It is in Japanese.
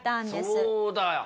そうだよ！